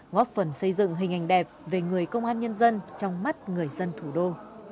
góp phần xây dựng hình ảnh đẹp về người công an nhân dân trong mắt người dân thủ đô